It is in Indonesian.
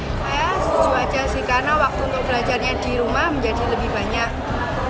saya setuju aja sih karena waktu untuk belajarnya di rumah menjadi lebih banyak